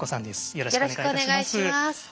よろしくお願いします。